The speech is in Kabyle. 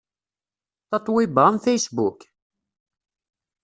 Tatoeba am Facebook?